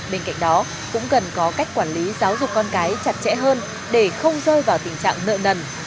bên cạnh đó cũng cần có cách quản lý giáo dục con cái chặt chẽ hơn để không rơi vào tình trạng nợ nần